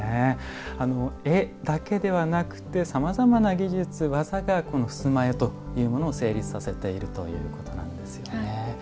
絵だけではなくてさまざまな技術技がこの襖絵というものを成立させているということなんですよね。